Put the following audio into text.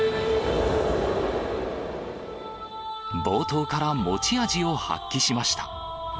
冒頭から持ち味を発揮しました。